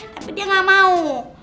tapi dia gak mau